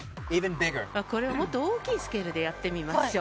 これをもっと大きいスケールでやってみましょう。